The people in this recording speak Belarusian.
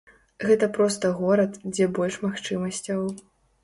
Гэта проста горад, дзе больш магчымасцяў.